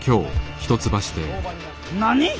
何！